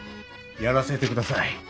やらせてください。